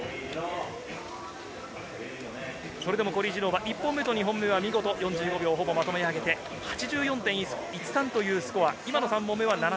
それでもコリー・ジュノーは１本目と２本目は４５秒、ほぼまとめ上げて、８４．１３というスコア。